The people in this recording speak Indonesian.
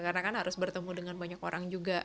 karena kan harus bertemu dengan banyak orang juga